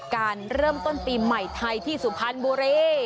การเริ่มต้นปีใหม่ไทยที่สุพรรณบุรี